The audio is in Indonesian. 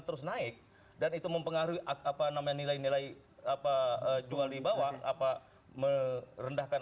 terus naik dan itu mempengaruhi apa namanya nilai nilai apa jual dibawa apa merendahkan